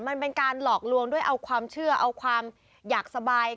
มันเป็นการหลอกลวงด้วยเอาความเชื่อเอาความอยากสบาย